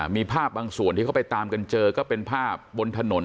มีภาพบางส่วนที่เขาไปตามกันเจอก็เป็นภาพบนถนน